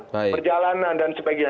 perjalanan dan sebagainya